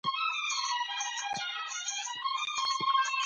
بې خوبي د ناروغۍ لامل کیږي.